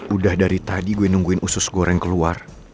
udah dari tadi gue nungguin usus goreng keluar